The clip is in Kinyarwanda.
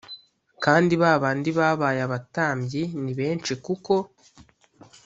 Kandi ba bandi babaye abatambyi ni benshi kuko